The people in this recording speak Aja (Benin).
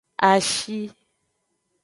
Ashi.